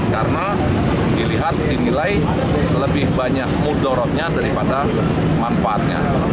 karena dilihat dinilai lebih banyak mudorotnya daripada manfaatnya